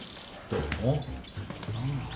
どうも。